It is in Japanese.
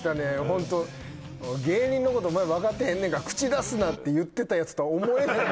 ホント芸人のことお前分かってへんねんから口出すなって言ってたやつとは思えない